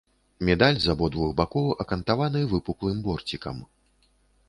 Медаль з абодвух бакоў акантаваны выпуклым борцікам.